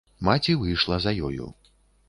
Маці выйшла за ёю.